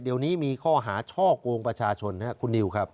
เดี๋ยวนี้มีข้อหาช่อกงประชาชนครับคุณนิวครับ